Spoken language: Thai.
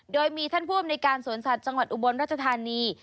โดยมีท่านผู้อำนวยการสวนสัตว์จังหวัดอุบลราชธานี